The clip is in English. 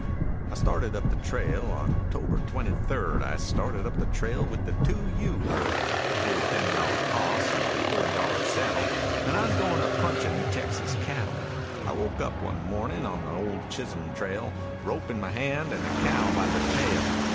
I started up the trail October twenty third, I started up the trail with the 2 U herd. Oh, a ten dollar hoss and a forty dollar saddle, And I'm goin' to punchin' Texas cattle. I woke up one morning on the old Chisholm trail, Rope in my hand and a cow by the tail.